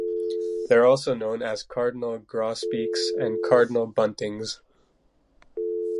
They are also known as cardinal-grosbeaks and cardinal-buntings.